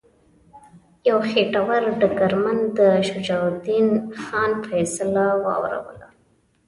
یو خیټور ډګرمن د شجاع الدین خان فیصله واوروله.